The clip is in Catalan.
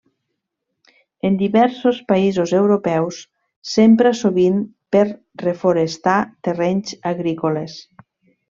En diversos països europeus s'empra sovint per reforestar terrenys agrícoles.